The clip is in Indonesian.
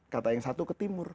kata yang satu ke timur